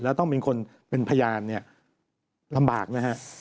แล้วต้องเป็นคนเป็นพยานเนี่ยลำบากนะฮะ